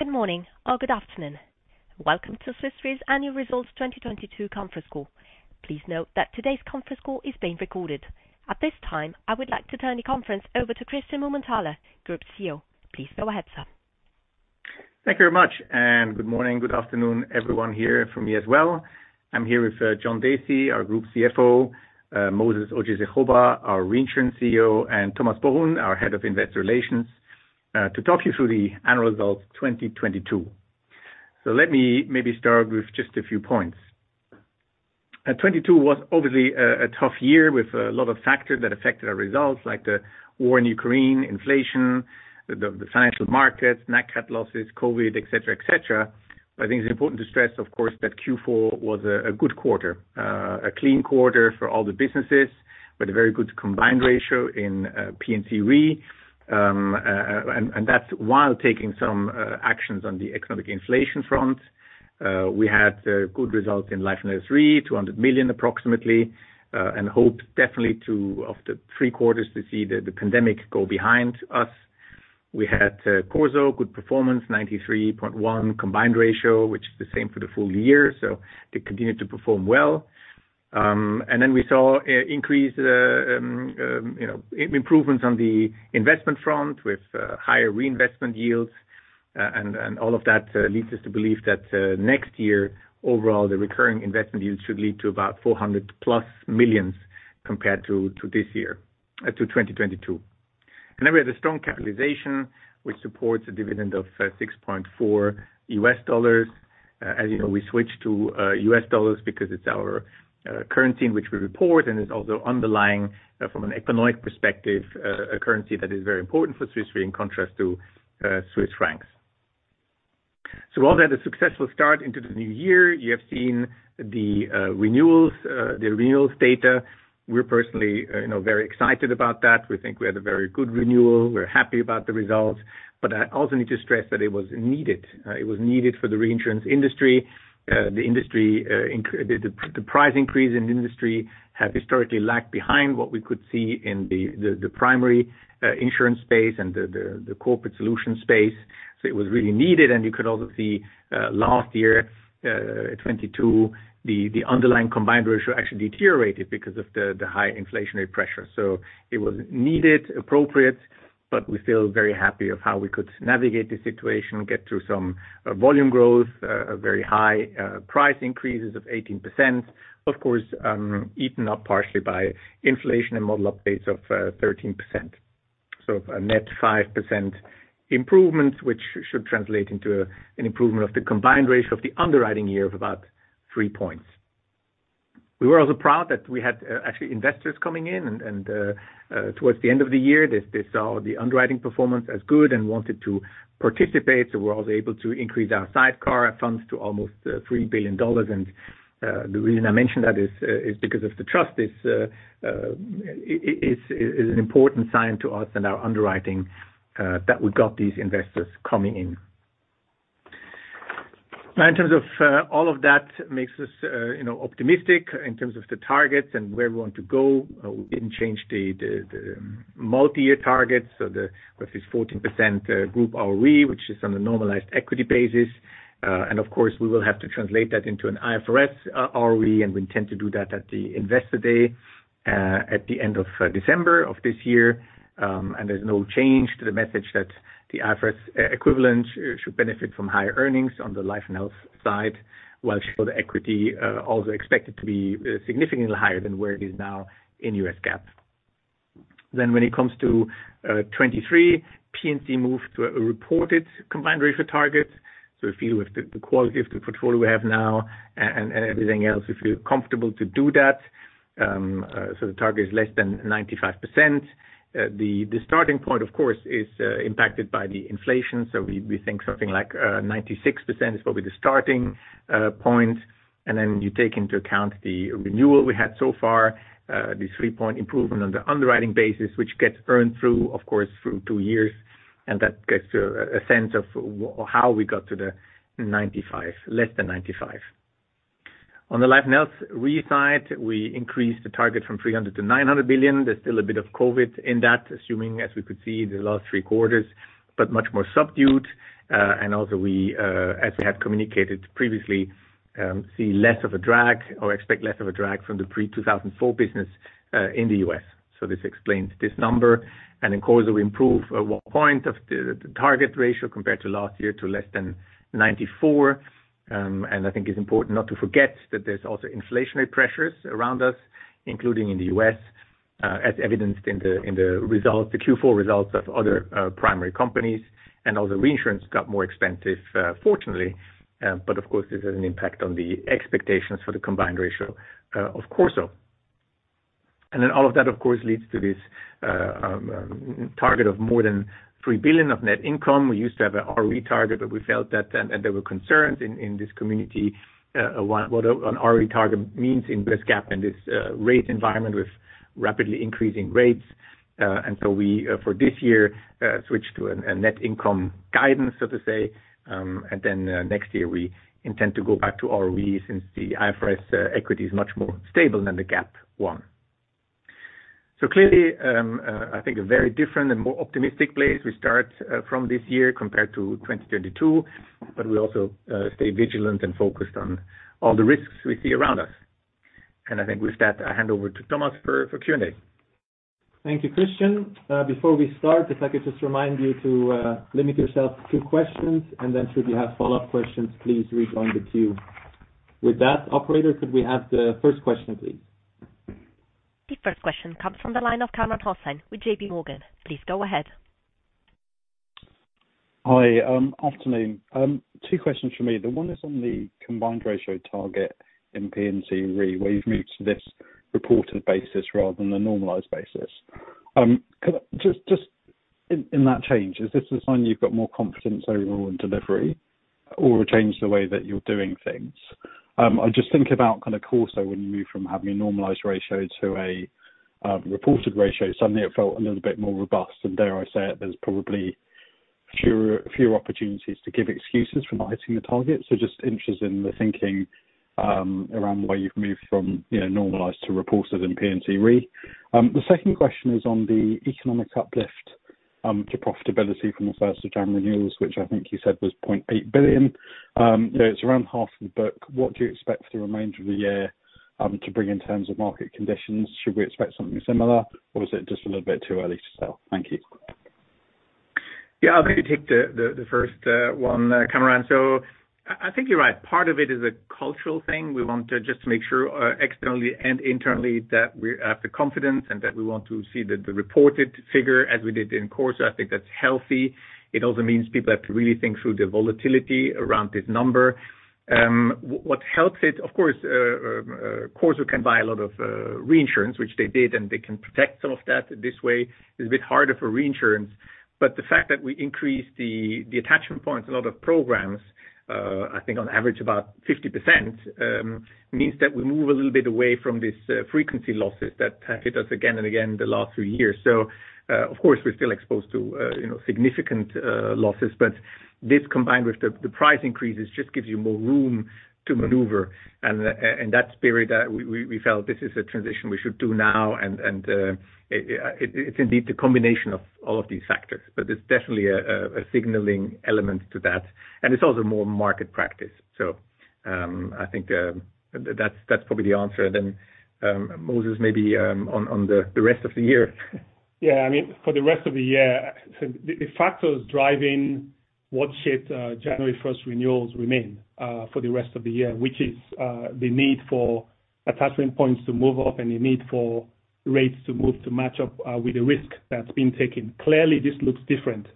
Good morning or good afternoon. Welcome to Swiss Re's annual results 2022 conference call. Please note that today's conference call is being recorded. At this time, I would like to turn the conference over to Christian Mumenthaler, Group CEO. Please go ahead, sir. Thank you very much, and good morning, good afternoon everyone here from me as well. I'm here with John Dacey, our Group CFO, Moses Ojeisekhoba, our reinsurance CEO, and Thomas Bohun, our head of investor relations, to talk you through the annual results 2022. Let me maybe start with just a few points. 2022 was obviously a tough year with a lot of factors that affected our results, like the war in Ukraine, inflation, the financial markets, net cat losses, COVID, et cetera, et cetera. I think it's important to stress, of course, that Q4 was a good quarter. A clean quarter for all the businesses with a very good combined ratio in P&C Re. That's while taking some actions on the economic inflation front. We had good results in life and health Re, $200 million approximately, of the three quarters to see the pandemic go behind us. We had Corso good performance, 93.1% combined ratio, which is the same for the full year, they continued to perform well. We saw increase, you know, improvements on the investment front with higher reinvestment yields. All of that leads us to believe that next year overall, the recurring investment yields should lead to about $400+ million compared to this year, to 2022. We have the strong capitalization, which supports a dividend of $6.4. As you know, we switched to US dollars because it's our currency in which we report, and it's also underlying, from an economic perspective, a currency that is very important for Swiss Re in contrast to Swiss francs. All that a successful start into the new year. You have seen the renewals, the renewals data. We're personally, you know, very excited about that. We think we had a very good renewal. We're happy about the results. I also need to stress that it was needed. It was needed for the reinsurance industry. The industry, the price increase in the industry had historically lagged behind what we could see in the primary insurance space and the corporate solution space. It was really needed, and you could also see last year, 2022, the underlying combined ratio actually deteriorated because of the high inflationary pressure. It was needed, appropriate, but we feel very happy of how we could navigate the situation, get through some volume growth, a very high price increases of 18%. Of course, eaten up partially by inflation and model updates of 13%. A net 5% improvement, which should translate into an improvement of the combined ratio of the underwriting year of about three points. We were also proud that we had actually investors coming in and towards the end of the year, they saw the underwriting performance as good and wanted to participate. We were also able to increase our sidecar funds to almost $3 billion. The reason I mention that is because of the trust. It's an important sign to us and our underwriting that we got these investors coming in. In terms of all of that makes us, you know, optimistic in terms of the targets and where we want to go. We didn't change the multi-year targets. With this 14% group ROE, which is on a normalized equity basis. Of course, we will have to translate that into an IFRS ROE, and we intend to do that at the Investor Day at the end of December of this year. And there's no change to the message that the IFRS equivalent should benefit from higher earnings on the life and health Re, while shareholder equity also expected to be significantly higher than where it is now in US GAAP. When it comes to 23, P&C Re moved to a reported combined ratio target. We feel with the quality of the portfolio we have now and everything else, we feel comfortable to do that. The target is less than 95%. The starting point, of course, is impacted by the inflation. We think something like 96% is probably the starting point. You take into account the renewal we had so far, the three-point improvement on the underwriting basis, which gets earned through, of course, through two years, and that gets a sense of how we got to the 95, less than 95. On the life and health Re side, we increased the target from $300 billion to $900 billion. There's still a bit of COVID in that, assuming as we could see the last three quarters, but much more subdued. Also we, as we have communicated previously, see less of a drag or expect less of a drag from the pre-2004 business in the U.S. This explains this number. In Corporate Solutions, we improve 1 point of the target ratio compared to last year to less than 94. I think it's important not to forget that there's also inflationary pressures around us, including in the U.S., as evidenced in the, in the results, the Q4 results of other primary companies. Also reinsurance got more expensive, fortunately. Of course, this has an impact on the expectations for the combined ratio of Corso. All of that of course leads to this target of more than $3 billion of net income. We used to have a ROE target, but we felt that, and there were concerns in this community, what an ROE target means in this GAAP and this rate environment with rapidly increasing rates. We, for this year, switched to a net income guidance, so to say. Next year, we intend to go back to ROE since the IFRS equity is much more stable than the GAAP one. Clearly, I think a very different and more optimistic place we start from this year compared to 2022, but we also stay vigilant and focused on all the risks we see around us. I think with that, I hand over to Thomas for Q&A. Thank you, Christian. Before we start, if I could just remind you to limit yourself to two questions. Should you have follow-up questions, please re-join the queue. Operator, could we have the first question, please? The first question comes from the line of Kamran Hossain with JP Morgan. Please go ahead. Hi, afternoon. Two questions from me. The one is on the combined ratio target in P&C Re, where you've moved to this reported basis rather than the normalized basis. Just in that change, is this a sign you've got more confidence overall in delivery or a change in the way that you're doing things? I just think about kind of course, when you move from having a normalized ratio to a reported ratio, suddenly it felt a little bit more robust. Dare I say it, there's probably fewer opportunities to give excuses for not hitting the target. Just interested in the thinking, around the way you've moved from, you know, normalized to reported in P&C Re. The second question is on the economic uplift to profitability from the 1st of January renewals, which I think you said was $0.8 billion. You know, it's around half the book. What do you expect for the remainder of the year to bring in terms of market conditions? Should we expect something similar or is it just a little bit too early to tell? Thank you. Yeah, I'll maybe take the first one, Kamran. I think you're right. Part of it is a cultural thing. We want to just make sure externally and internally that we have the confidence and that we want to see the reported figure as we did in Corporate Solutions. I think that's healthy. It also means people have to really think through the volatility around this number. What helps it, of course, Corporate Solutions we can buy a lot of reinsurance, which they did, and they can protect some of that this way. It's a bit harder for reinsurance. The fact that we increased the attachment points in a lot of programs, I think on average about 50%, means that we move a little bit away from this frequency losses that have hit us again and again the last three years. Of course, we're still exposed to, you know, significant losses, but this combined with the price increases just gives you more room to maneuver. In that spirit, we felt this is a transition we should do now. It's indeed the combination of all of these factors, but it's definitely a signaling element to that. It's also more market practice. I think that's probably the answer. Moses, maybe on the rest of the year. Yeah, I mean, for the rest of the year, the factors driving what shaped January 1st renewals remain for the rest of the year, which is the need for attachment points to move up and the need for rates to move to match up with the risk that's been taken. Clearly, this looks different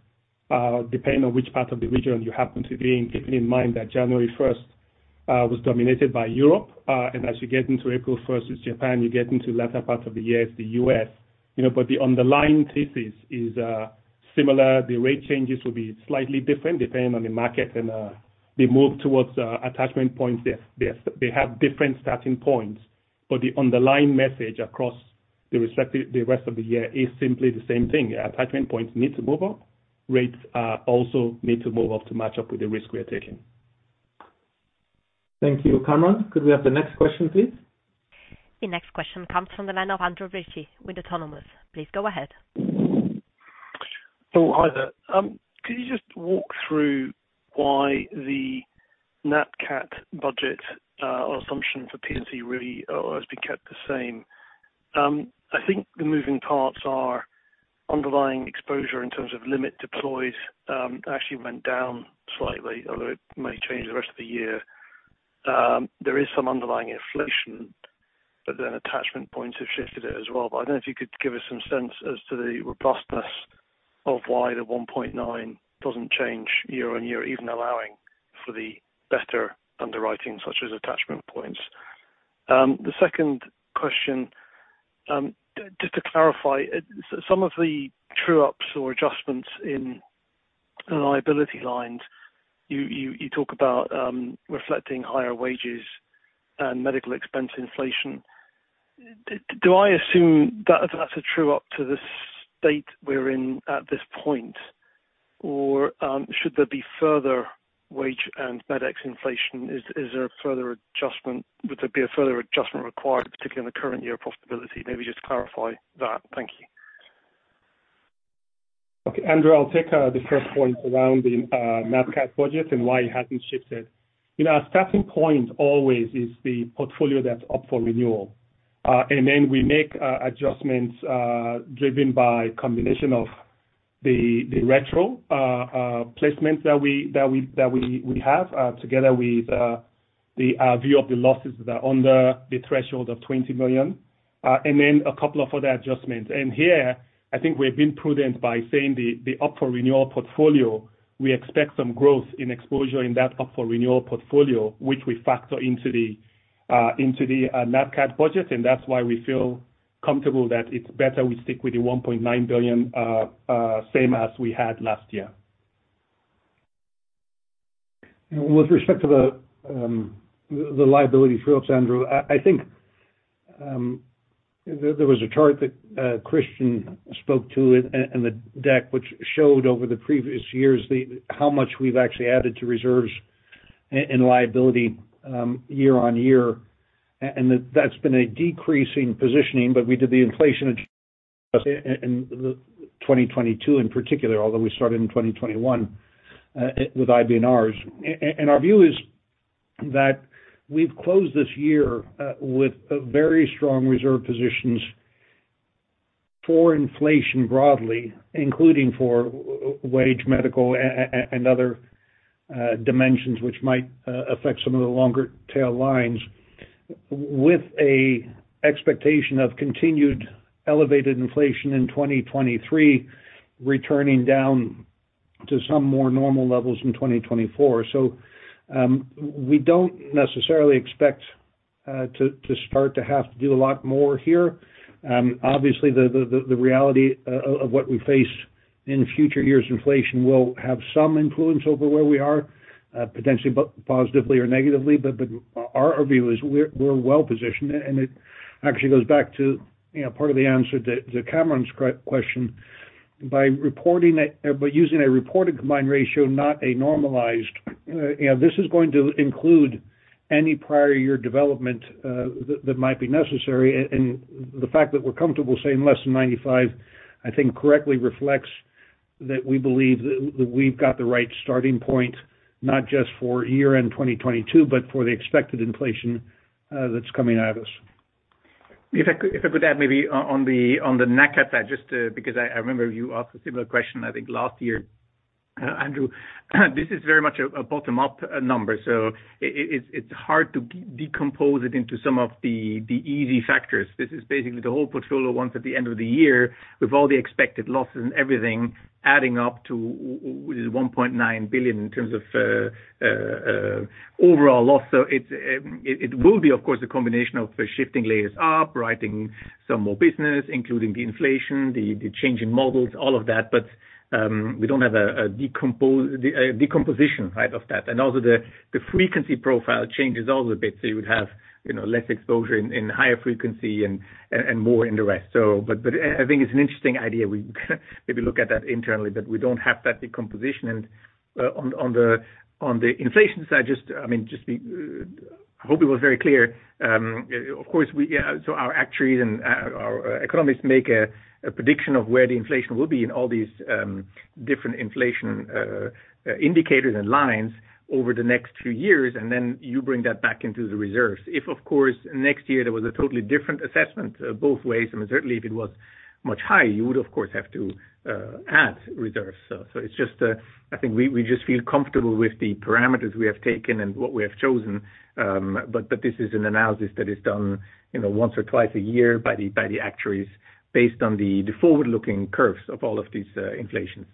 depending on which part of the region you happen to be in, keeping in mind that January 1st was dominated by Europe. As you get into April 1st, it's Japan, you get into latter parts of the year, it's the U.S. You know, the underlying thesis is similar. The rate changes will be slightly different depending on the market and the move towards attachment points. They have different starting points. The underlying message across the rest of the year is simply the same thing. Attachment points need to move up. Rates also need to move up to match up with the risk we are taking. Thank you, Kamran. Could we have the next question, please? The next question comes from the line of Andrew Ritchie with Autonomous. Please go ahead. Hi there. Could you just walk through why the NatCat budget or assumption for P&C really has been kept the same? I think the moving parts are underlying exposure in terms of limit deployed actually went down slightly, although it may change the rest of the year. There is some underlying inflation, attachment points have shifted it as well. I don't know if you could give us some sense as to the robustness of why the 1.9 doesn't change year-over-year, even allowing for the better underwriting such as attachment points. The second question, just to clarify, some of the true ups or adjustments in liability lines, you talk about reflecting higher wages and medical expense inflation. Do I assume that's a true up to the state we're in at this point? Or should there be further wage and Medex inflation? Is there a further adjustment? Would there be a further adjustment required, particularly in the current year possibility? Maybe just clarify that. Thank you. Okay, Andrew, I'll take the first point around the NatCat budget and why it hasn't shifted. You know, our starting point always is the portfolio that's up for renewal. We make adjustments driven by combination of the retro placements that we have together with the view of the losses that are under the threshold of $20 million, and a couple of other adjustments. Here, I think we've been prudent by saying the up for renewal portfolio, we expect some growth in exposure in that up for renewal portfolio, which we factor into the NatCcat budget, that's why we feel comfortable that it's better we stick with the $1.9 billion same as we had last year. With respect to the liability true ups, Andrew, I think there was a chart that Christian spoke to in the deck, which showed over the previous years how much we've actually added to reserves. In liability, year-on-year. That's been a decreasing positioning, but we did the inflation in the 2022 in particular, although we started in 2021, with IBNRs. Our view is that we've closed this year, with a very strong reserve positions for inflation broadly, including for wage, medical and other dimensions which might affect some of the longer tail lines. With a expectation of continued elevated inflation in 2023, returning down to some more normal levels in 2024. We don't necessarily expect to start to have to do a lot more here. Obviously the reality of what we face in future years' inflation will have some influence over where we are, potentially positively or negatively, but our view is we're well-positioned. It actually goes back to, you know, part of the answer to Kamran's question. By using a reported combined ratio, not a normalized, you know, this is going to include any prior year development that might be necessary. The fact that we're comfortable saying less than 95%, I think correctly reflects that we believe that we've got the right starting point, not just for year-end 2022, but for the expected inflation that's coming at us. If I could add maybe on the NatCat, I remember you asked a similar question, I think, last year, Andrew. This is very much a bottom-up number, it's hard to decompose it into some of the easy factors. This is basically the whole portfolio once at the end of the year with all the expected losses and everything adding up to which is $1.9 billion in terms of overall loss. It will be, of course, a combination of the shifting layers up, writing some more business, including the inflation, the changing models, all of that. We don't have a decomposition side of that. Also the frequency profile changes also a bit. You would have, you know, less exposure in higher frequency and more in the rest. But I think it's an interesting idea. We can maybe look at that internally, but we don't have that decomposition. On, on the, on the inflation side, I mean, hope it was very clear. Of course, we, so our actuaries and our economists make a prediction of where the inflation will be in all these different inflation indicators and lines over the next few years, and then you bring that back into the reserves. If, of course, next year there was a totally different assessment, both ways, and certainly if it was much higher, you would of course have to add reserves. It's just, I think we just feel comfortable with the parameters we have taken and what we have chosen. This is an analysis that is done, you know, once or twice a year by the actuaries based on the forward-looking curves of all of these inflations.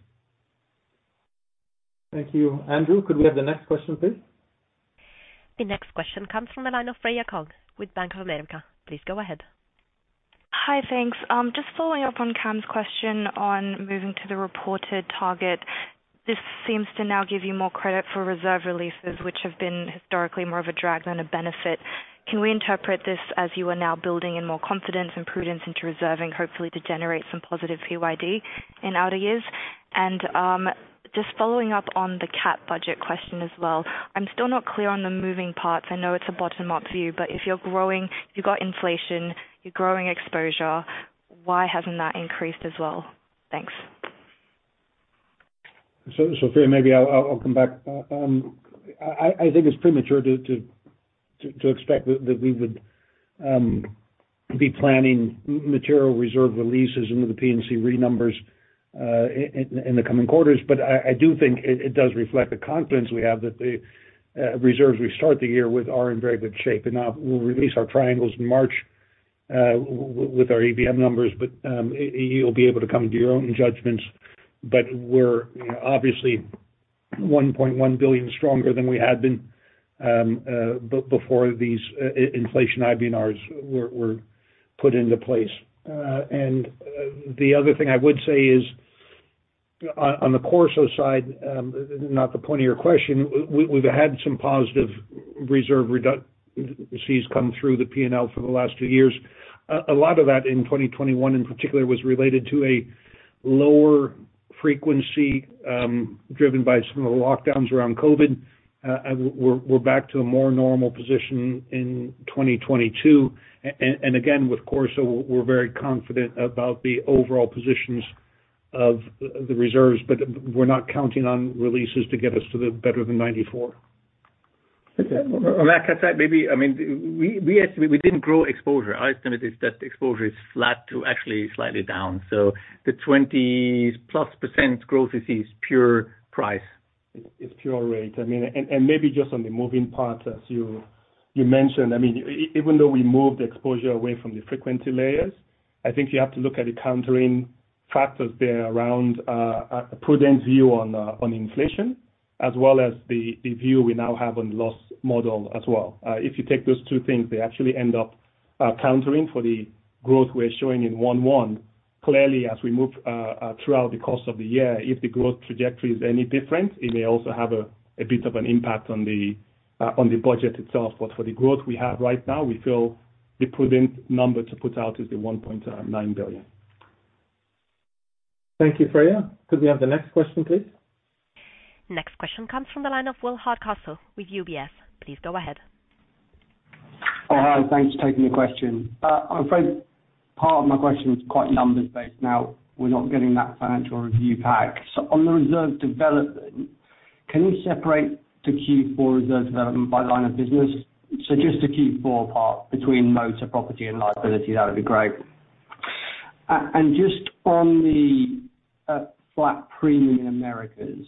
Thank you. Andrew, could we have the next question, please? The next question comes from the line of Freya Kong with Bank of America. Please go ahead. Hi thanks, Just following up on Kam's question on moving to the reported target, this seems to now give you more credit for reserve releases, which have been historically marked as a benefit. Can we interpret this as you are now building in more confidence and prudence into reserving, hopefully to generate some positive FYD in outer years? And just following upon the cap budget question as well. I'm still not clear on the moving parts. I know it's a bottom-up view, but if you're growing, you've got inflation, you're growing exposure. Why hasn't that increased as well? Thanks. Freya, maybe I'll come back. I think it's premature to expect that we would be planning material reserve releases into the P&C Re numbers in the coming quarters. I do think it does reflect the confidence we have that the reserves we start the year with are in very good shape. We'll release our triangles in March with our ABM numbers, but you'll be able to come to your own judgments. We're, you know, obviously $1.1 billion stronger than we had been before these inflation IBNRs were put into place. The other thing I would say is on the Corporate Solutions side, not the point of your question, we've had some positive reserve redu- sees come through the P&L for the last two years. A lot of that in 2021 in particular was related to a lower frequency, driven by some of the lockdowns around COVID. We're back to a more normal position in 2022. Again, with Corporate Solutions, we're very confident about the overall positions of the reserves, but we're not counting on releases to get us to the better than 94. On that, can I mean, we estimate we didn't grow exposure. Our estimate is that exposure is flat to actually slightly down. The 20+% growth is pure price. It's pure rate. I mean, and maybe just on the moving parts, as you mentioned, I mean, even though we moved exposure away from the frequency layers, I think you have to look at the countering factors there around a prudent view on inflation, as well as the view we now have on loss model as well. If you take those two things, they actually end up countering for the growth we're showing in one-one. Clearly, as we move throughout the course of the year, if the growth trajectory is any different, it may also have a bit of an impact on the budget itself. For the growth we have right now, we feel the prudent number to put out is the $1.9 billion. Thank you, Freya. Could we have the next question, please? Next question comes from the line of Will Hardcastle with UBS. Please go ahead. Oh, hi. Thanks for taking the question. I'm afraid part of my question is quite numbers-based now. We're not getting that financial review pack. On the reserve development, can you separate the Q4 reserve development by line of business? Just the Q4 part between motor, property and liability, that would be great. Just on the flat premium in Americas,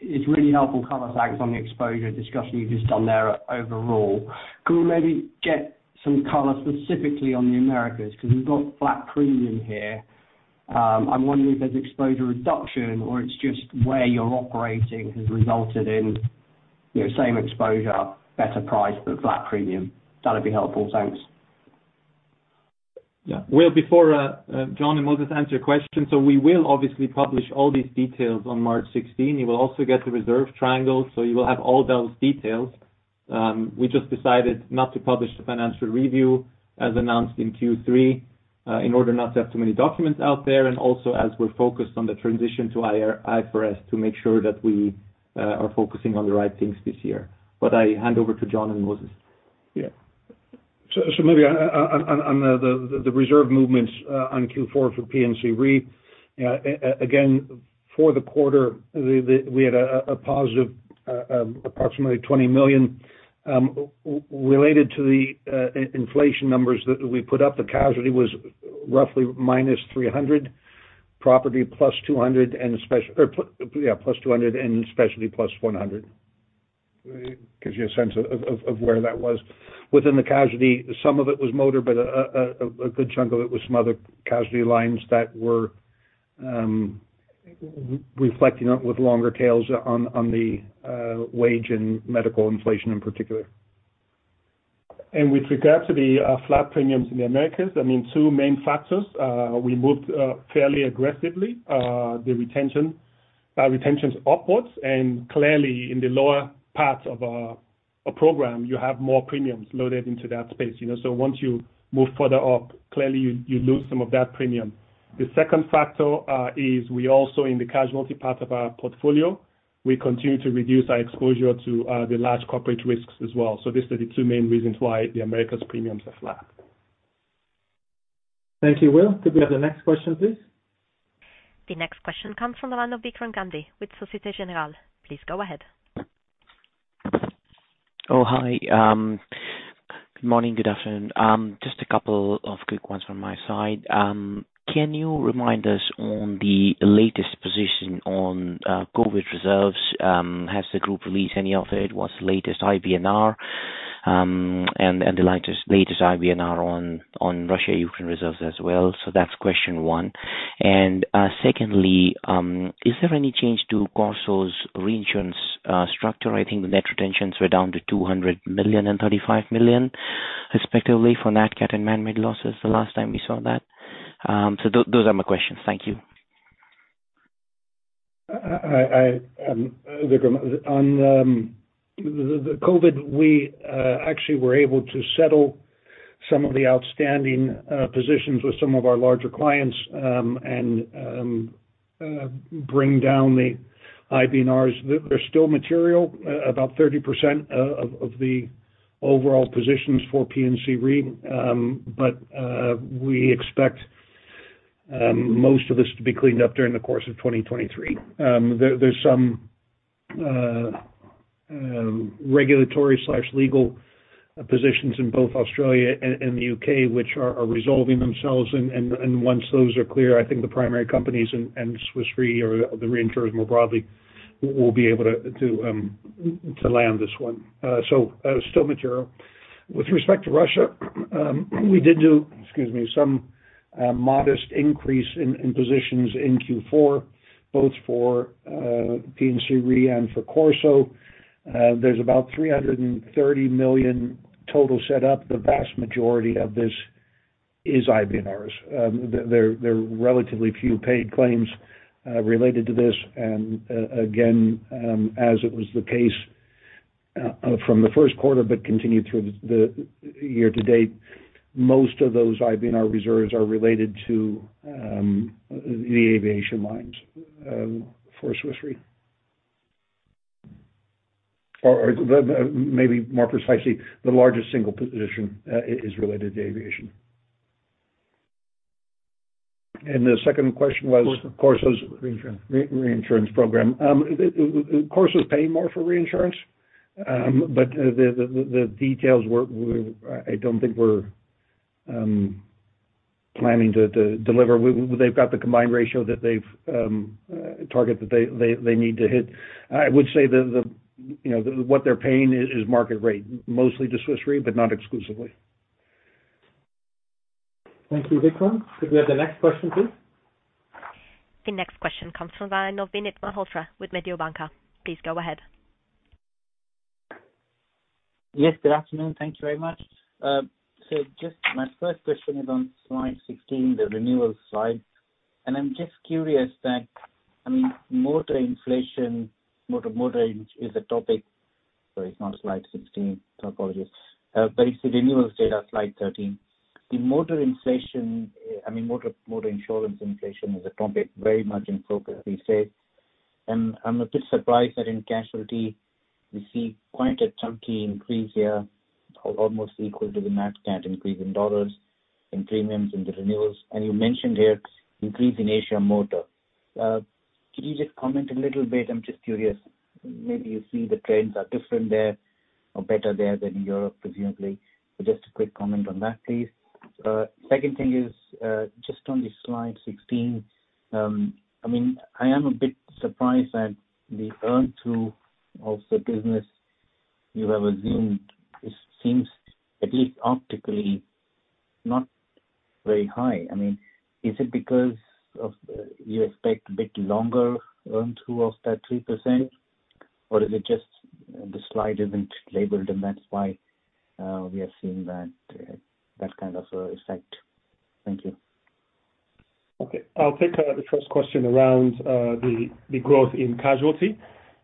it's really helpful colour, thanks, on the exposure discussion you've just done there overall. Could we maybe get some colour specifically on the Americas? Cause we've got flat premium here. I'm wondering if there's exposure reduction or it's just where you're operating has resulted in, you know, same exposure, better price, but flat premium. That'd be helpful. Thanks. Yeah. Will, before John and Moses answer your question, we will obviously publish all these details on March 16. You will also get the reserve triangle, you will have all those details. We just decided not to publish the financial review as announced in Q3, in order not to have too many documents out there, and also as we're focused on the transition to IFRS to make sure that we are focusing on the right things this year. I hand over to John and Moses. Maybe on the reserve movements on Q4 for P&C Re, again, for the quarter, we had a positive approximately $20 million related to the inflation numbers that we put up. The casualty was roughly -$300 million, property +$200 million, and yeah, +$200 million, and Specialty +$100 million. Gives you a sense of where that was. Within the casualty, some of it was motor, but a good chunk of it was some other casualty lines that were reflecting up with longer tails on the wage and medical inflation in particular. With regard to the flat premiums in the Americas, I mean, two main factors. We moved fairly aggressively the retentions upwards, and clearly in the lower parts of our program, you have more premiums loaded into that space, you know? Once you move further up, clearly you lose some of that premium. The second factor is we also, in the casualty part of our portfolio, we continue to reduce our exposure to the large corporate risks as well. These are the two main reasons why the Americas premiums are flat. Thank you, Will. Could we have the next question, please? The next question comes from the line of Vikram Gandhi with Societe Generale. Please go ahead. Oh, hi. Good morning, good afternoon. Just a couple of quick ones from my side. Can you remind us on the latest position on COVID reserves? Has the group released any of it? What's the latest IBNR? And the latest IBNR on Russia/Ukraine reserves as well. That's question one. Secondly, is there any change to Corso's reinsurance structure? I think the net retentions were down to $200 million and $35 million, respectively, for NatCat and Man-made losses the last time we saw that. Those are my questions. Thank you. Vikram, on the COVID, we actually were able to settle some of the outstanding positions with some of our larger clients and bring down the IBNRs. There's still material, about 30% of the overall positions for P&C Re, but we expect most of this to be cleaned up during the course of 2023. There's some regulatory/legal positions in both Australia and the UK which are resolving themselves. Once those are clear, I think the primary companies and Swiss Re or the reinsurers more broadly will be able to land this one. Still material. With respect to Russia, we did do, excuse me, some modest increase in positions in Q4, both for P&C Re and for Corso. There's about $330 million total set up. The vast majority of this is IBNRs. There are relatively few paid claims related to this. Again, as it was the case from the Q1 but continued through the year to date, most of those IBNR reserves are related to the aviation lines for Swiss Re. Or the maybe more precisely, the largest single position is related to aviation. The second question was- Corso. Corso's- Reinsurance. Re-reinsurance program. Corso's paying more for reinsurance, but the details I don't think we're planning to deliver. They've got the combined ratio that they've target that they need to hit. I would say, you know, what they're paying is market rate. Mostly to Swiss Re, but not exclusively. Thank you, Vikram. Could we have the next question, please? The next question comes from the line of Vinit Malhotra with Mediobanca. Please go ahead. Yes, good afternoon. Thank you very much. Just my first question is on slide 16, the renewal slide. I'm just curious that, I mean, motor inflation, motor insurance is a topic. Sorry, it's not slide 16. I apologize. It's the renewals data, slide 13. The motor insurance inflation is a topic very much in focus these days. I'm a bit surprised that in casualty we see quite a chunky increase here, almost equal to the NatCat increase in dollars, in premiums in the renewals. You mentioned here increase in Asia motor. Can you just comment a little bit? I'm just curious. Maybe you see the trends are different there or better there than in Europe, presumably. Just a quick comment on that, please. Second thing is, just on the slide 16, I mean, I am a bit surprised at the earn through of the business you have assumed. It seems at least optically not very high. I mean, is it because of, you expect a bit longer earn through of that 3%, or is it just the slide isn't labelled and that's why, we are seeing that kind of, effect? Thank you. Okay. I'll take the first question around the growth in casualty.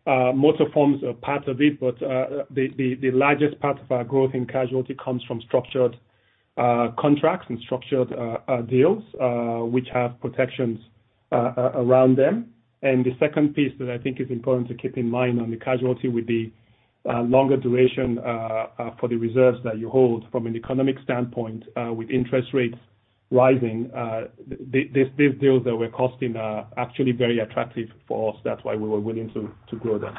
Motor forms a part of it, but the largest part of our growth in casualty comes from structured contracts and structured deals which have protections around them. The second piece that I think is important to keep in mind on the casualty would be longer duration for the reserves that you hold from an economic standpoint with interest rates rising. These deals that we're costing are actually very attractive for us. That's why we were willing to grow them.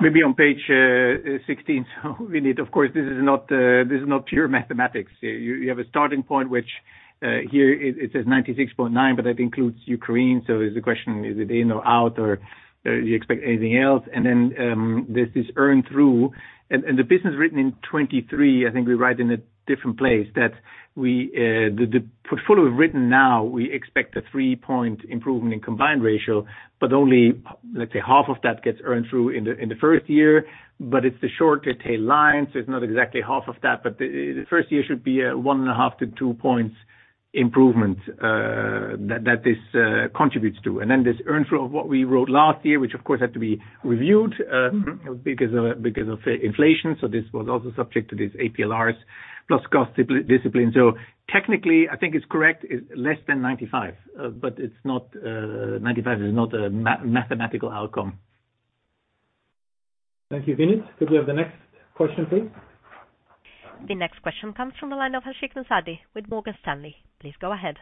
Maybe on page 16, Vinit, of course, this is not, this is not pure mathematics. You, you have a starting point which here it says 96.9, but that includes Ukraine. Is the question, is it in or out, or do you expect anything else? Then, this is earn through. The business written in 2023, I think we write in a different place. That we, the portfolio written now, we expect a three-point improvement in combined ratio, but only, let's say, half of that gets earned through in the first year. It's the shorter tail line, so it's not exactly half of that. The first year should be a 1.5 to two points improvement that this contributes to. This earn through of what we wrote last year, which of course had to be reviewed, because of inflation. This was also subject to these APLRs plus cost discipline. Technically, I think it's correct. It's less than 95, but it's not, 95 is not a mathematical outcome. Thank you, Vinit. Could we have the next question, please? The next question comes from the line of Ashik Musaddi with Morgan Stanley. Please go ahead.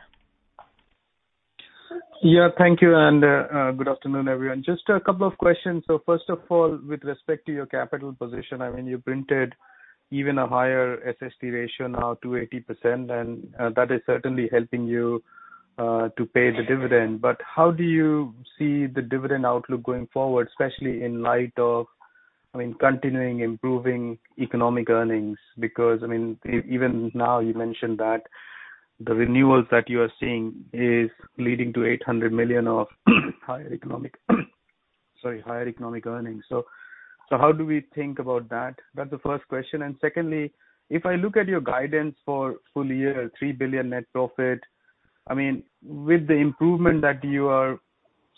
Yeah, thank you. Good afternoon, everyone. Just a couple of questions. First of all, with respect to your capital position, I mean, you printed even a higher SST ratio now to 80%, and that is certainly helping you to pay the dividend. How do you see the dividend outlook going forward, especially in light of, I mean, continuing improving economic earnings? Because I mean, even now you mentioned that the renewals that you are seeing is leading to $800 million of higher economic, sorry, higher economic earnings. How do we think about that? That's the first question. Secondly, if I look at your guidance for full year, $3 billion net profit, I mean, with the improvement that you are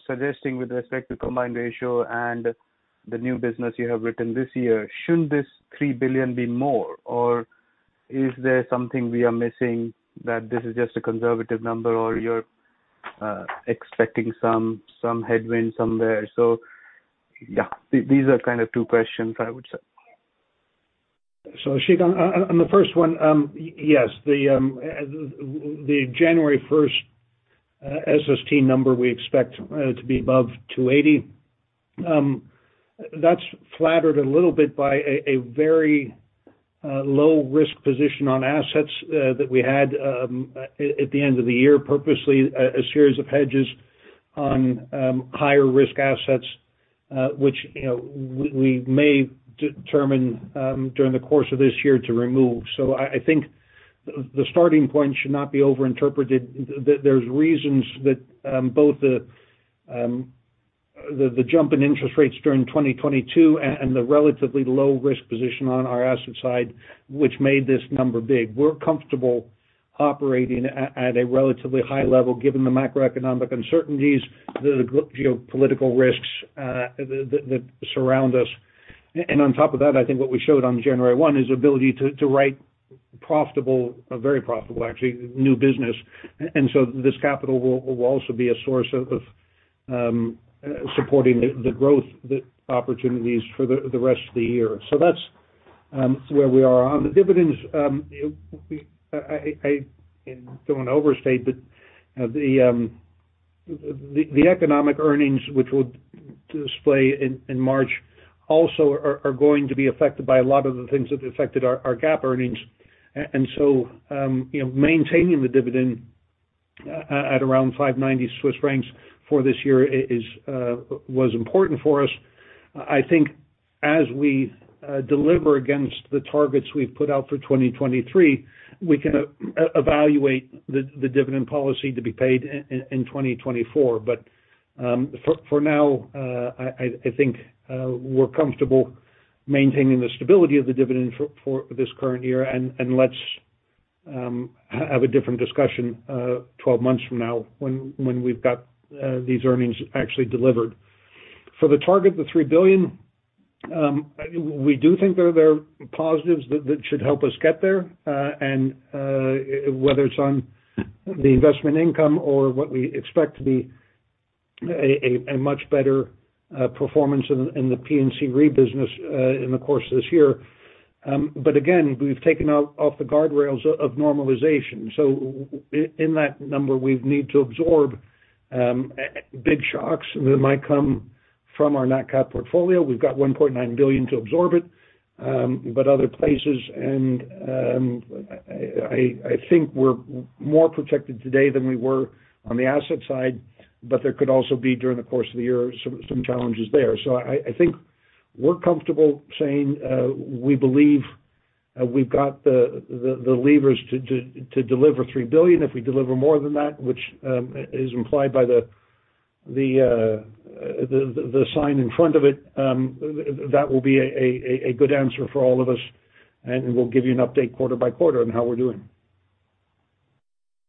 suggesting with respect to combined ratio and the new business you have written this year, shouldn't this $3 billion be more? Is there something we are missing that this is just a conservative number or you're expecting some headwind somewhere? Yeah, these are kind of two questions, I would say. Ashik, on the first one, yes, the January 1st SST number, we expect to be above 280. That's flattered a little bit by a very low risk position on assets that we had at the end of the year, purposely a series of hedges on higher risk assets, which, you know, we may determine during the course of this year to remove. I think the starting point should not be over interpreted. There's reasons that both the jump in interest rates during 2022 and the relatively low risk position on our asset side, which made this number big. We're comfortable operating at a relatively high level, given the macroeconomic uncertainties, the geopolitical risks that surround us. On top of that, I think what we showed on January 1 is the ability to write profitable, very profitable, actually, new business. This capital will also be a source of supporting the growth, the opportunities for the rest of the year. That's where we are. On the dividends, I don't want to overstate, but, you know, the economic earnings, which we'll display in March also are going to be affected by a lot of the things that affected our GAAP earnings. So, you know, maintaining the dividend at around 590 Swiss francs for this year was important for us. I think as we deliver against the targets we've put out for 2023, we can evaluate the dividend policy to be paid in 2024. For now, I think we're comfortable maintaining the stability of the dividend for this current year and let's have a different discussion 12 months from now when we've got these earnings actually delivered. The target, the $3 billion, we do think there are positives that should help us get there, and whether it's on the investment income or what we expect to be a much better performance in the P&C Re business in the course of this year. Again, we've taken out off the guardrails of normalization. In that number, we need to absorb big shocks that might come from our net cat portfolio. We've got $1.9 billion to absorb it, but other places and I think we're more protected today than we were on the asset side, but there could also be, during the course of the year, some challenges there. I think we're comfortable saying, we believe we've got the levers to deliver $3 billion. If we deliver more than that, which is implied by the sign in front of it, that will be a good answer for all of us, and we'll give you an update quarter by quarter on how we're doing.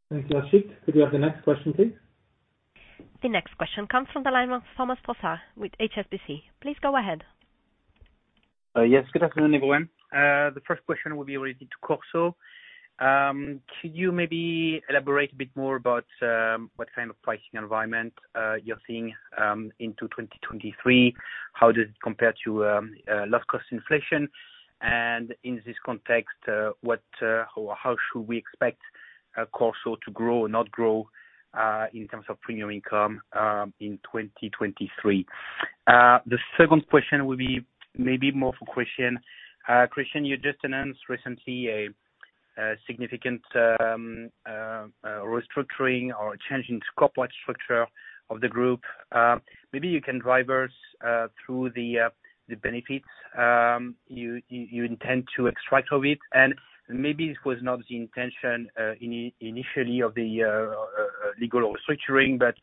Thank you, Ashik. Could we have the next question, please? The next question comes from the line of Thomas Fossard with HSBC. Please go ahead. Good afternoon, everyone. The first question will be related to Corso. Could you maybe elaborate a bit more about what kind of pricing environment you're seeing into 2023? How does it compare to last cost inflation? And in this context, what or how should we expect Corso to grow or not grow, in terms of premium income in 2023? The second question will be maybe more for Christian. Christian, you just announced recently a significant restructuring or change in corporate structure of the group. Maybe you can drive us through the benefits you intend to extract of it. Maybe it was not the intention, initially of the legal restructuring, but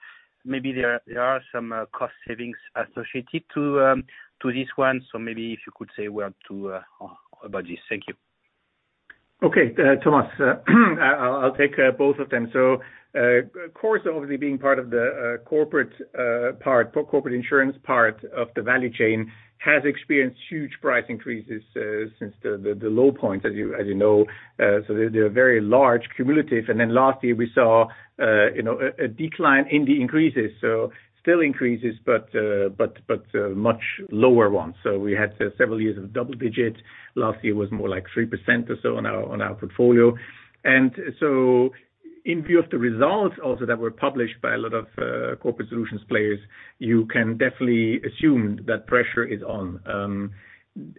maybe there are some cost savings associated to this one. Maybe if you could say a word or two about this. Thank you. Okay, Thomas, I'll take both of them. Corporate Solutions obviously being part of the corporate insurance part of the value chain has experienced huge price increases since the low point, as you know. They're very large cumulative. Last year, we saw, you know, a decline in the increases. Still increases, but much lower ones. We had several years of double digits. Last year was more like 3% or so on our portfolio. In view of the results also that were published by a lot of Corporate Solutions players, you can definitely assume that pressure is on.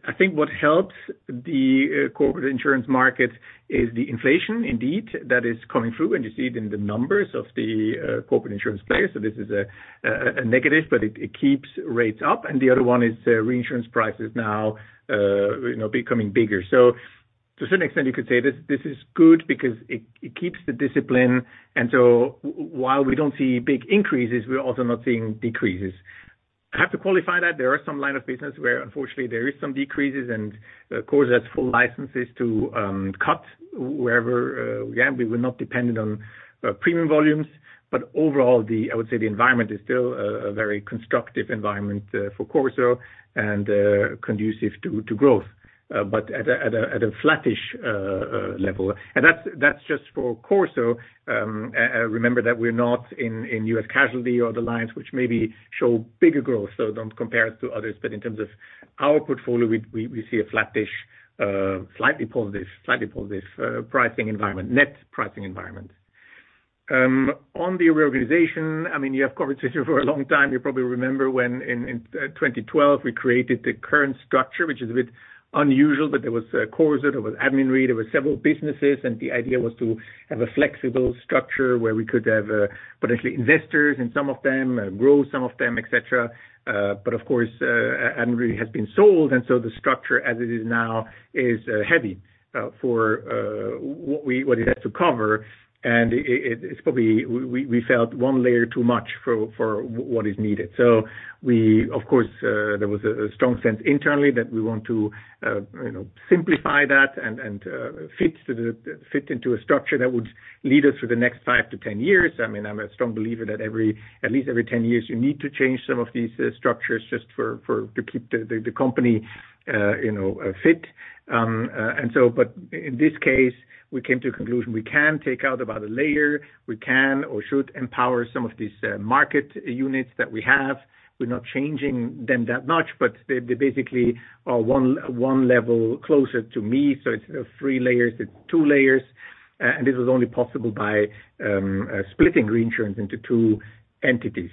I think what helps the corporate insurance market is the inflation indeed, that is coming through, and you see it in the numbers of the corporate insurance players. This is a negative, but it keeps rates up. The other one is reinsurance prices now, you know, becoming bigger. To a certain extent, you could say this is good because it keeps the discipline. While we don't see big increases, we're also not seeing decreases. I have to qualify that there are some line of business where unfortunately there is some decreases, and Corporate Solutions has full licenses to cut wherever we can. We were not dependent on premium volumes. Overall, I would say the environment is still a very constructive environment for Corso and conducive to growth, but at a flattish level. That's just for Corso. Remember that we're not in U.S. Casualty or the lines which maybe show bigger growth, so don't compare it to others. In terms of our portfolio, we see a flattish, slightly positive pricing environment, net pricing environment. On the reorganization, I mean, you have covered this for a long time. You probably remember when in 2012 we created the current structure, which is a bit unusual, that there was Corporate Solutions, there was Admin Re, there were several businesses, and the idea was to have a flexible structure where we could have potentially investors in some of them, grow some of them, et cetera. But of course, Admin Re has been sold, and so the structure as it is now is heavy for what it has to cover. It's probably we felt one layer too much for what is needed. We, of course, there was a strong sense internally that we want to, you know, simplify that and fit into a structure that would lead us for the next five to 10 years. I mean, I'm a strong believer that every, at least every 10 years, you need to change some of these structures just for to keep the company, you know, fit. In this case, we came to a conclusion, we can take out about a layer. We can or should empower some of these market units that we have. We're not changing them that much, but they basically are one level closer to me. It's three layers to two layers. This is only possible by splitting reinsurance into two entities.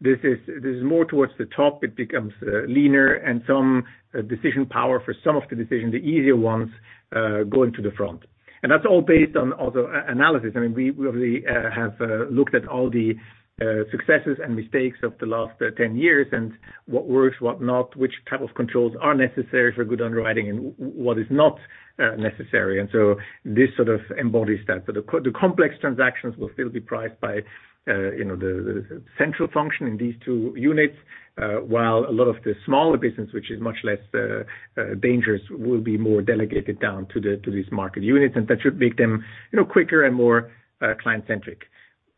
This is more towards the top. It becomes leaner and some decision power for some of the decisions, the easier ones, going to the front. That's all based on also analysis. I mean, we obviously have looked at all the successes and mistakes of the last 10 years and what works, what not, which type of controls are necessary for good underwriting and what is not necessary. This sort of embodies that. The complex transactions will still be priced by, you know, the central function in these two units, while a lot of the smaller business, which is much less dangerous, will be more delegated down to these market units, and that should make them, you know, quicker and more client-centric.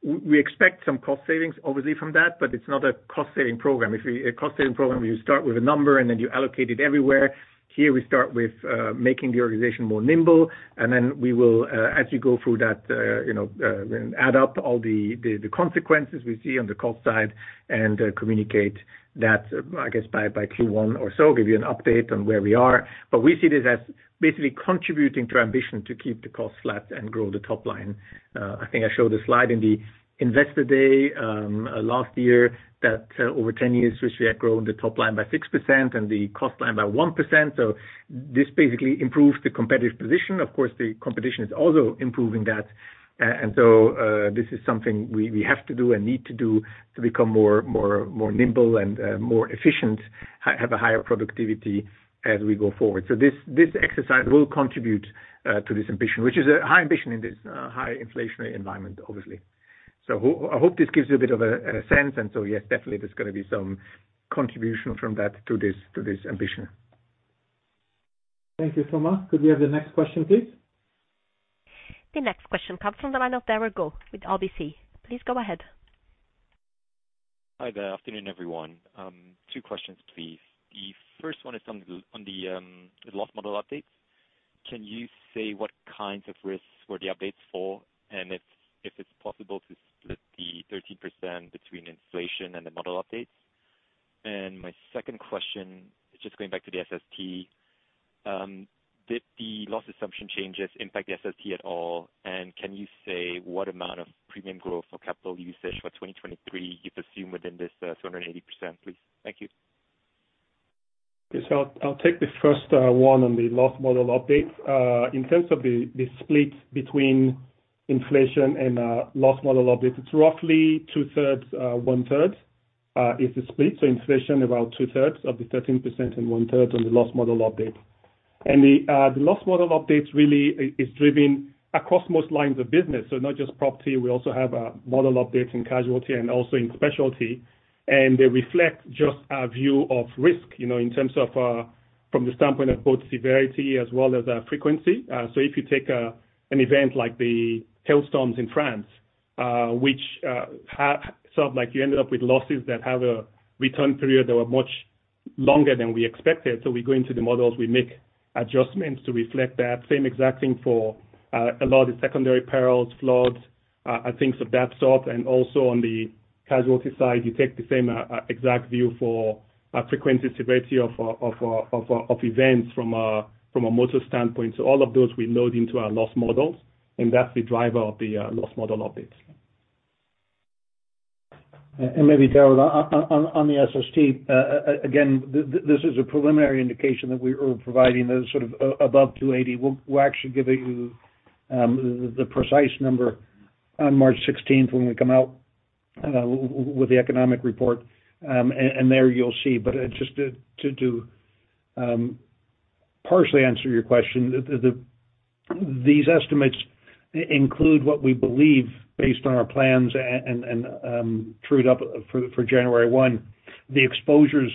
We expect some cost savings, obviously, from that, but it's not a cost-saving program. If a cost-saving program, you start with a number, and then you allocate it everywhere. Here, we start with making the organization more nimble, and then we will, as we go through that, you know, add up all the, the consequences we see on the cost side and communicate that, I guess, by Q1 or so, give you an update on where we are. We see this as basically contributing to our ambition to keep the costs flat and grow the top line. I think I showed a slide in the investor day last year that over 10 years, Swiss Re had grown the top line by 6% and the cost line by 1%. This basically improves the competitive position. Of course, the competition is also improving that. This is something we have to do and need to do to become more nimble and more efficient, have a higher productivity as we go forward. This, this exercise will contribute to this ambition, which is a high ambition in this high inflationary environment, obviously. I hope this gives you a bit of a sense. Yes, definitely there's gonna be some contribution from that to this, to this ambition. Thank you, Thomas. Could we have the next question, please? The next question comes from the line of Derek Au with RBC. Please go ahead. Hi there. Afternoon, everyone. Two questions, please. The first one is on the loss model updates. Can you say what kinds of risks were the updates for? If it's possible to split the 13% between inflation and the model updates? My second question, just going back to the SST, did the loss assumption changes impact the SST at all? Can you say what amount of premium growth or capital usage for 2023 you've assumed within uthis 280%, please? Thank you. I'll take the first one on the loss model updates. In terms of the split between inflation and loss model updates, it's roughly 2/3, 1/3 is the split. Inflation about 2/3 of the 13% and 1/3 on the loss model update. The loss model updates really is driven across most lines of business. Not just property, we also have model updates in casualty and also in specialty. They reflect just our view of risk, you know, in terms of from the standpoint of both severity as well as frequency. If you take an event like the hailstorms in France, which sort of like you ended up with losses that have a return period that were much longer than we expected. We go into the models, we make adjustments to reflect that. Same exact thing for a lot of the secondary perils, floods, and things of that sort. Also on the casualty side, you take the same exact view for frequency severity of events from a from a model standpoint. All of those we load into our loss models, and that's the driver of the loss model updates. Maybe, Derek Au, on the SST, again, this is a preliminary indication that we are providing those sort of above 280. We'll actually give you the precise number on March 16th when we come out with the economic report, and there you'll see. Just to partially answer your question, the these estimates include what we believe based on our plans and trued up for January 1, the exposures,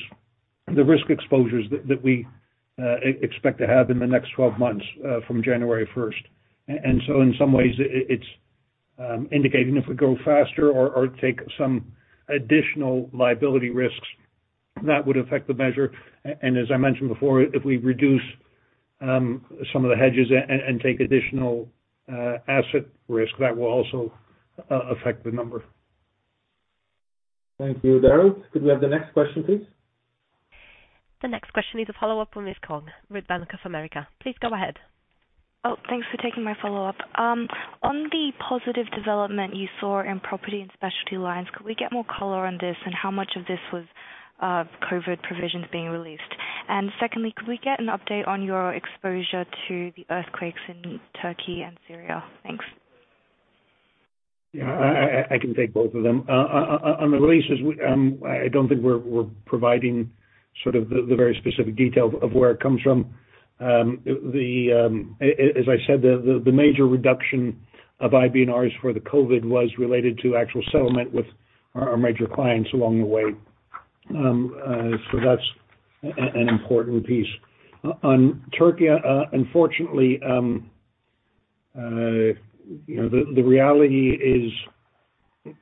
the risk exposures that we expect to have in the next 12 months from January 1st. In some ways, it's indicating if we go faster or take some additional liability risks, that would affect the measure. As I mentioned before, if we reduce, some of the hedges and take additional, asset risk, that will also, affect the number. Thank you, Derek. Could we have the next question, please? The next question is a follow-up from Freya Kong with Bank of America. Please go ahead. Thanks for taking my follow-up. On the positive development you saw in property and specialty lines, could we get more colour on this and how much of this was COVID provisions being released? Secondly, could we get an update on your exposure to the earthquakes in Turkey and Syria? Thanks. Yeah. I can take both of them. On the releases, we don't think we're providing sort of the very specific details of where it comes from. As I said, the major reduction of IBNRs for the COVID was related to actual settlement with our major clients along the way. That's an important piece. On Turkey, unfortunately, you know, the reality is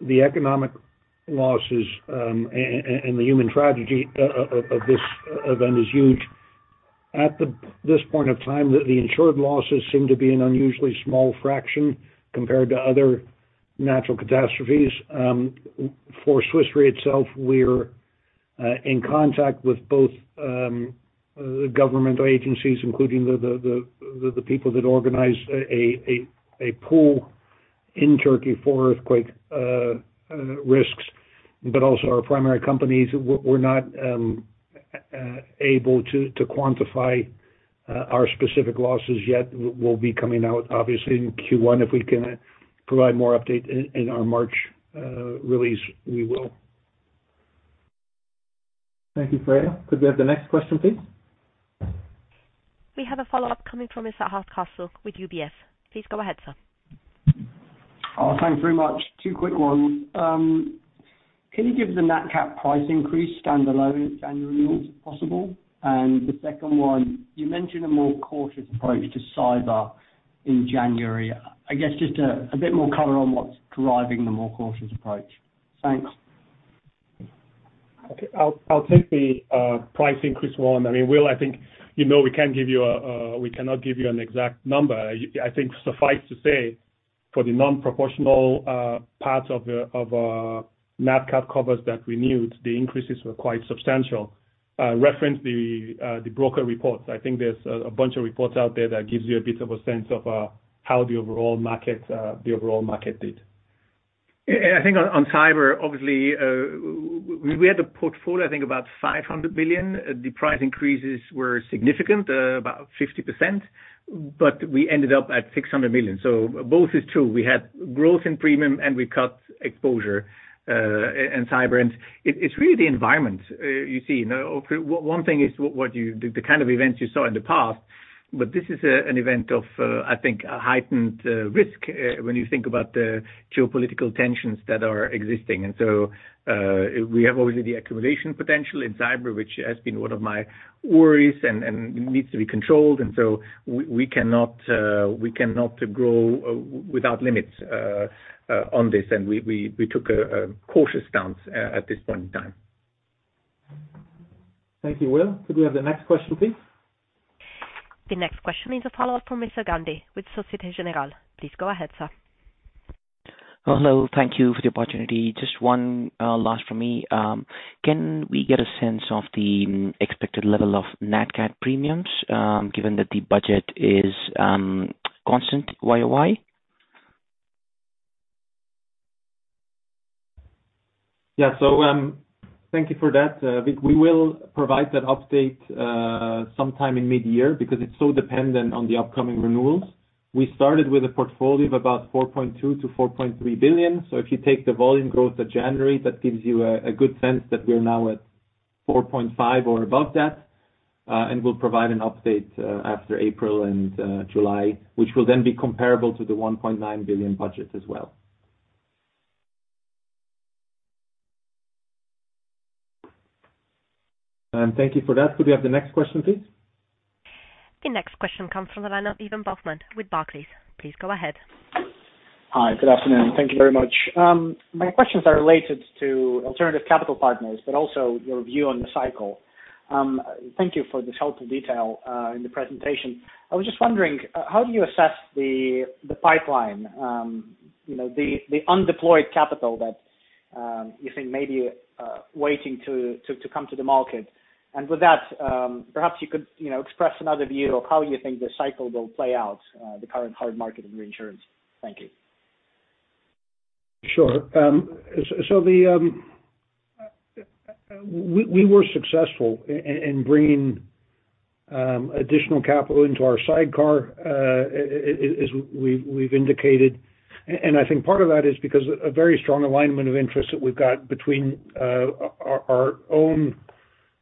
the economic losses and the human tragedy of this event is huge. At this point of time, the insured losses seem to be an unusually small fraction compared to other natural catastrophes. For Swiss Re itself, we're in contact with both government agencies, including the people that organize a pool in Turkey for earthquake risks, but also our primary companies were not able to quantify our specific losses yet. We'll be coming out obviously in Q1. If we can provide more update in our March release, we will. Thank you, Freya. Could we have the next question, please? We have a follow-up coming from Will Hardcastle with UBS. Please go ahead, sir. Thanks very much. Two quick ones. Can you give the NatCat price increase standalone January renewals, if possible? The second one, you mentioned a more cautious approach to cyber in January. I guess just a bit more colour on what's driving the more cautious approach. Thanks. Okay. I'll take the price increase one. I mean, Will, I think you know we can't give you a, we cannot give you an exact number. I think suffice to say, for the non-proportional part of NatCat covers that renewed, the increases were quite substantial. Reference the broker reports. I think there's a bunch of reports out there that gives you a bit of a sense of how the overall market did. I think on cyber, obviously, we had a portfolio, I think about $500 billion. The price increases were significant, about 50%, but we ended up at $600 million. Both is true. We had growth in premium, and we cut exposure, in cyber. It's really the environment, you see. Now, one thing is what you the kind of events you saw in the past, but this is an event of, I think a heightened risk, when you think about the geopolitical tensions that are existing. We have obviously the accumulation potential in cyber, which has been one of my worries and needs to be controlled. We cannot grow without limits on this. We took a cautious stance at this point in time. Thank you, Will. Could we have the next question, please? The next question is a follow-up from Mr. Gandhi with Societe Generale. Please go ahead, sir. Hello. Thank you for the opportunity. Just one, last from me. Can we get a sense of the expected level of NatCat premiums, given that the budget is, constant YOY? Yeah. Thank you for that. We will provide that update sometime in mid-year because it's so dependent on the upcoming renewals. We started with a portfolio of about $4.2 billion yto $4.3 billion. If you take the volume growth of January, that gives you a good sense that we're now at $4.5 billion or above that. We'll provide an update after April and July, which will then be comparable to the $1.9 billion budget as well. Thank you for that. Could we have the next question, please? The next question comes from Ivan Bokhmat with Barclays. Please go ahead. Hi. Good afternoon. Thank you very much. My questions are related to alternative capital partners, but also your view on the cycle. Thank you for this helpful detail in the presentation. I was just wondering, how do you assess the pipeline, you know, the undeployed capital that you think may be waiting to come to the market? With that, perhaps you could, you know, express another view of how you think the cycle will play out, the current hard market in reinsurance. Thank you. Sure. So the... We were successful in bringing additional capital into our sidecar as we've indicated. I think part of that is because a very strong alignment of interest that we've got between our own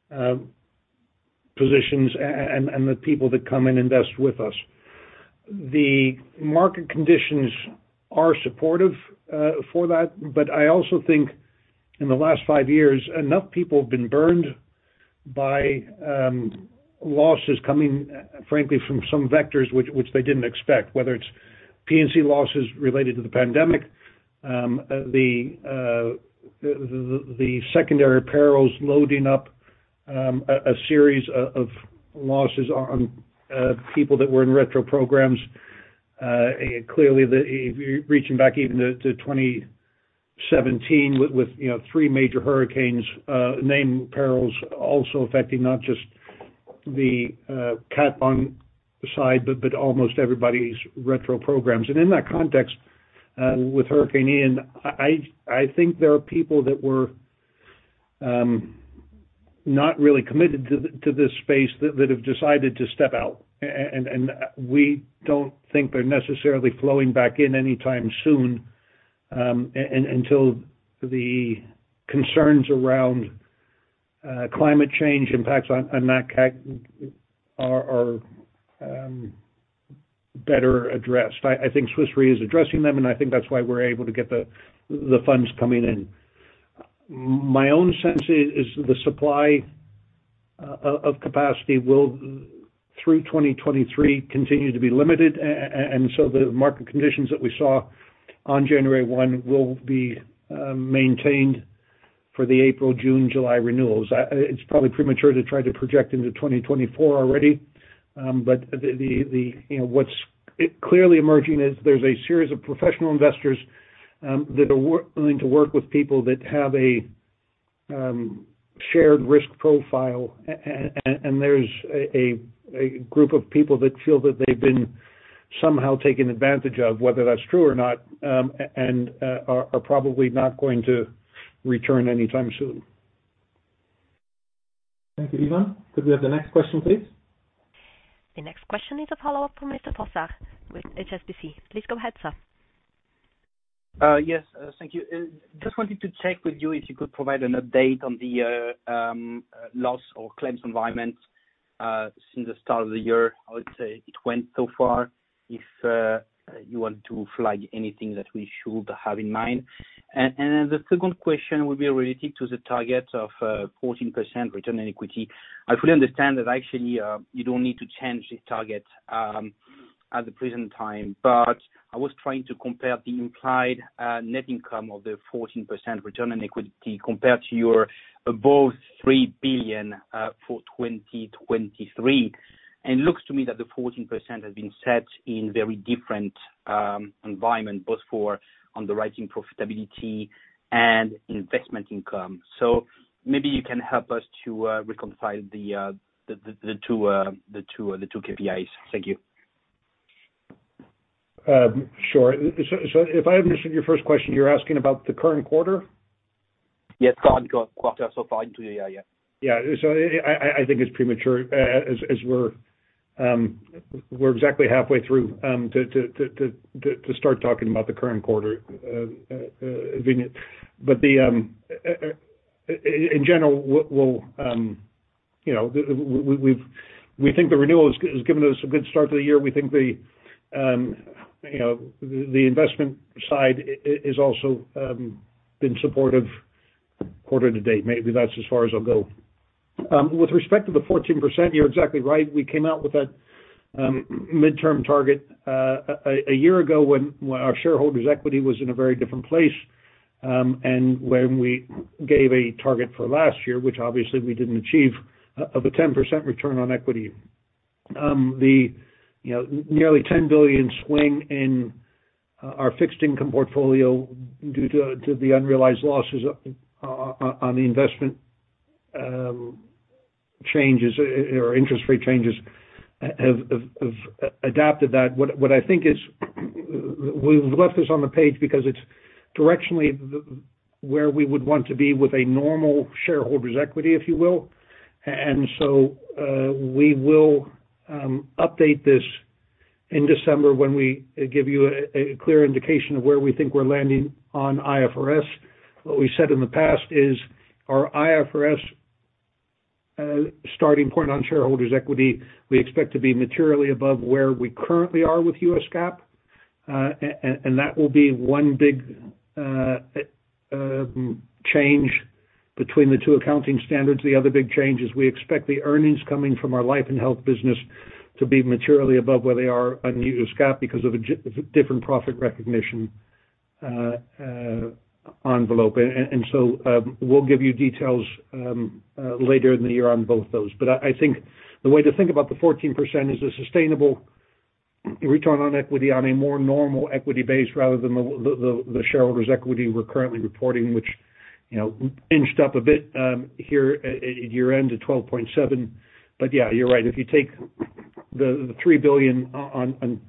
positions and the people that come and invest with us. The market conditions are supportive for that, but I also think in the last five years, enough people have been burned by losses coming, frankly, from some vectors which they didn't expect, whether it's P&C losses related to the pandemic, the secondary perils loading up a series of losses on people that were in retro programs. Clearly, the reaching back even to 2017 with, you know, three major hurricanes, named perils also affecting not just the catastrophe bond side, but almost everybody's retro programs. In that context, with Hurricane Ian, I think there are people that were not really committed to this space that have decided to step out. We don't think they're necessarily flowing back in anytime soon, until the concerns around climate change impacts on NatCat are better addressed. I think Swiss Re is addressing them, and I think that's why we're able to get the funds coming in. My own sense is the supply of capacity will through 2023 continue to be limited. The market conditions that we saw on January 1 will be maintained for the April, June, July renewals. It's probably premature to try to project into 2024 already. The, you know, what's clearly emerging is there's a series of professional investors that are willing to work with people that have a shared risk profile. There's a group of people that feel that they've been somehow taken advantage of, whether that's true or not, and are probably not going to return anytime soon. Thank you, Ivan. Could we have the next question, please? The next question is a follow-up from Thomas Fossard with HSBC. Please go ahead, sir. Yes, thank you. Just wanted to check with you if you could provide an update on the loss or claims environment since the start of the year. How it went so far, if you want to flag anything that we should have in mind. Then the second question would be related to the target of 14% return on equity. I fully understand that actually, you don't need to change this target at the present time. I was trying to compare the implied net income of the 14% return on equity compared to your above $3 billion for 2023. It looks to me that the 14% has been set in very different environment, both for underwriting profitability and investment income. Maybe you can help us to reconcile the two KPIs. Thank you. Sure. If I understood your first question, you're asking about the current quarter? Yes. Current quarter so far into the year, yeah. I think it's premature as we're exactly halfway through to start talking about the current quarter, Vinit. In general, we'll, you know, we think the renewal has given us a good start to the year. We think the, you know, the investment side is also been supportive quarter to date. Maybe that's as far as I'll go. With respect to the 14%, you're exactly right. We came out with that midterm target a year ago when our shareholders' equity was in a very different place, when we gave a target for last year, which obviously we didn't achieve, of a 10% return on equity. The, you know, nearly $10 billion swing in our fixed income portfolio due to the unrealized losses on the investment changes or interest rate changes have adapted that. What I think is we've left this on the page because it's directionally where we would want to be with a normal shareholders' equity, if you will. We will update this in December when we give you a clear indication of where we think we're landing on IFRS. What we said in the past is our IFRS starting point on shareholders' equity, we expect to be materially above where we currently are with US GAAP. That will be one big change between the two accounting standards. The other big change is we expect the earnings coming from our life and health business to be materially above where they are on US GAAP because of a different profit recognition envelope. We'll give you details later in the year on both those. I think the way to think about the 14% is the sustainable return on equity on a more normal equity base rather than the shareholders' equity we're currently reporting, which, you know, inched up a bit at year-end to $12.7 billion. Yeah, you're right. If you take the $3 billion on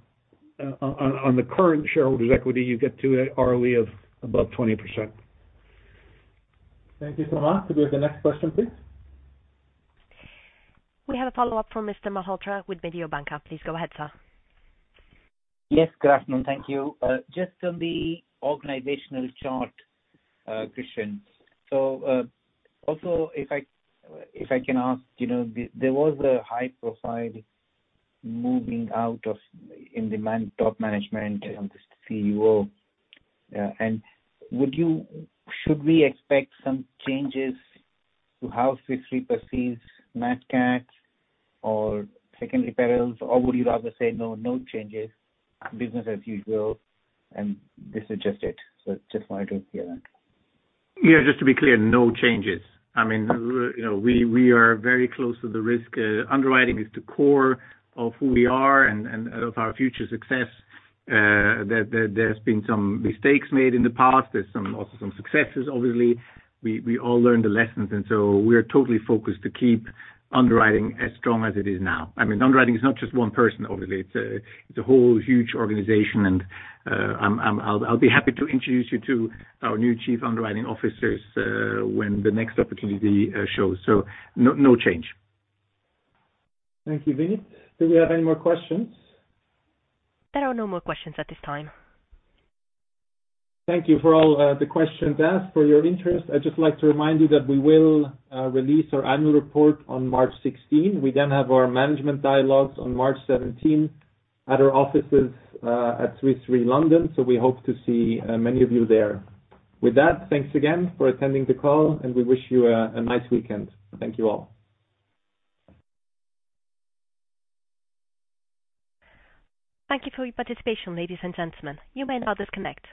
the current shareholders' equity, you get to an ROE of above 20%. Thank you so much. Could we have the next question, please? We have a follow-up from Vinit Malhotra with Mediobanca. Please go ahead, sir. Yes, good afternoon. Thank you. Just on the organizational chart, Christian. Also if I, if I can ask, you know, there was a high profile moving out of in the top management and the CEO. Should we expect some changes to how Swiss Re perceives NatCat or secondary perils? Would you rather say, no changes, business as usual, and this is just it? Just wanted to hear that. Yeah, just to be clear, no changes. I mean, you know, we are very close to the risk. Underwriting is the core of who we are and of our future success. There's been some mistakes made in the past. There's also some successes, obviously. We all learned the lessons, we are totally focused to keep underwriting as strong as it is now. I mean, underwriting is not just one person, obviously. It's a whole huge organization. I'll be happy to introduce you to our new chief underwriting officers when the next opportunity shows. No, no change. Thank you, Vinit. Do we have any more questions? There are no more questions at this time. Thank you for all the questions asked, for your interest. I'd just like to remind you that we will release our annual report on March 16. We then have our management dialogues on March 17 at our offices at Swiss Re, London. We hope to see many of you there. With that, thanks again for attending the call, and we wish you a nice weekend. Thank you all. Thank you for your participation, ladies and gentlemen. You may now disconnect.